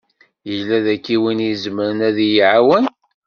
Yella daki win i izemren ad yi-iɛawen?